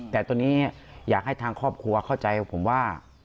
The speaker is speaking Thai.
แต่ตอนนี้อยากให้ทางครอบครัวเข้าใจผมว่า